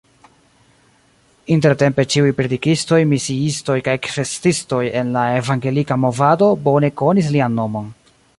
Intertempe ĉiuj predikistoj, misiistoj kaj kvestistoj en la Evangelika movado bone konis lian nomon.